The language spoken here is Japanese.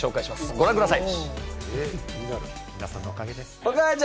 ご覧ください。